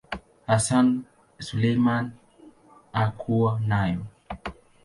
Hassan Suleiman hakuwa nayo.